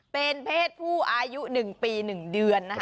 เป็นเพทย์ผู้อายุ๑ปี๑เดือน